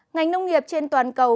ngành nông nghiệp trên toàn cầu